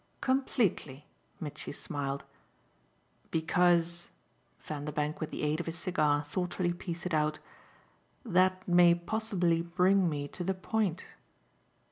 "Completely," Mitchy smiled. "Because" Vanderbank with the aid of his cigar thoughtfully pieced it out "that may possibly bring me to the point."